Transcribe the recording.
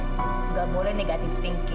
nggak boleh negative thinking